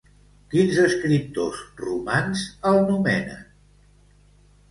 Quins escriptors romans el nomenen?